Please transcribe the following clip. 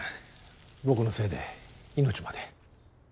僕のせいで命まで。